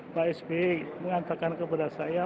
pak sby mengatakan kepada saya